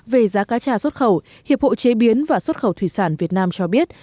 về giá cá trà xuất khẩu hiệp hội chế biến và xuất khẩu thủy sản việt nam cho biết